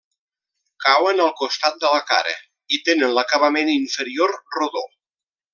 Cauen al costat de la cara i tenen l'acabament inferior rodó.